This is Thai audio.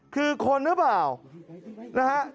คือคนหรือเปล่านะฮะ